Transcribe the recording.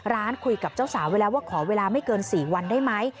ร้านคุยกับเจ้าสาวไว้แล้วว่าขอเวลาไม่เกิน๔วันได้ไหม